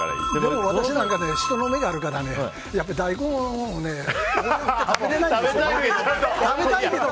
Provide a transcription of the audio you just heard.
でも私なんか人の目があるから大根を食べられないんですよね。